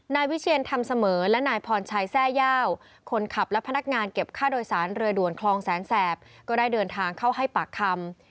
นายวิเชียนธรรมเสมอและนายพรชัยแทร่ย่าวคนขับและพนักงานเก็บค่าโดยสารเรือด่วนคลองแสนแสบก็ได้เดินทางเข้าให้ปากคำ